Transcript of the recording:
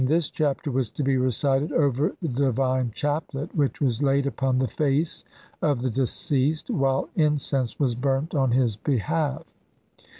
This Chapter was to be recited over the divine chaplet which was laid upon the face of the deceased while incense was burnt on his behalf.